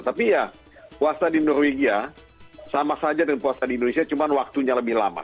tapi ya puasa di norwegia sama saja dengan puasa di indonesia cuma waktunya lebih lama